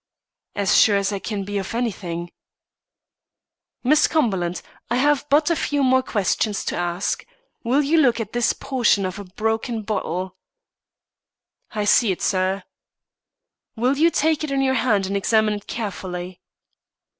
"As sure as I can be of anything." "Miss Cumberland, I have but a few more questions to ask. Will you look at this portion of a broken bottle?" "I see it, sir." "Will you take it in your hand and examine it carefully?"